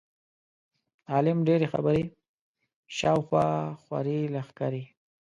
د عالم ډېرې خبرې شا او خوا خورې لښکرې.